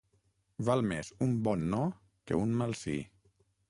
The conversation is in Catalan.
Val més un bon no, que un mal sí.